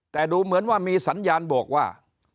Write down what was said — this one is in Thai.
แต่ดูเหมือนว่ามีสัญญาณบอกว่า